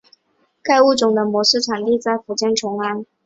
该物种的模式产地在福建崇安。